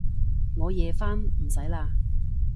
我夜返，唔使喇